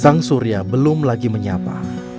sang surya belum lagi menyapa